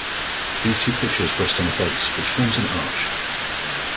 These two pictures rest on a base which forms an arch.